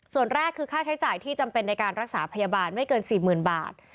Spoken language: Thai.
ส่วนแรกคือค่าใช้จ่ายที่จำเป็นในการรักษาพยาบาลไม่เกิน๔๐๐๐บาท